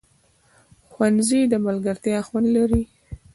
ښوونځی د ملګرتیا خوند لري